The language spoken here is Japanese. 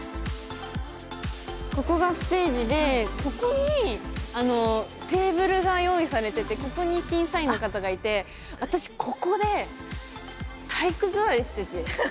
ここがステージでここにテーブルが用意されててここに審査員の方がいてハハハ！